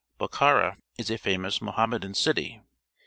Bokhara is a famous Mohammedan city.